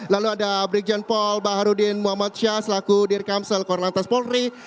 lalu ada brigjen paul mbak harudin muhammad syah selaku dir kamsel korlantas polri